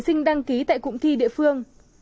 các thí sinh đăng ký tại cụm thi địa phương